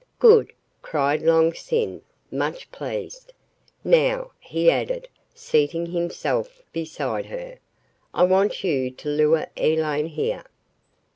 "Good!" cried Long Sin, much pleased. "Now," he added, seating himself beside her, "I want you to lure Elaine here."